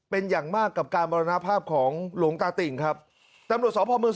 เป็นอย่างมากกับการมรณภาพของหลวงตาติ่งครับตำรวจสพเมือง